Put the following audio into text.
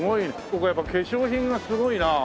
ここはやっぱ化粧品がすごいなあ。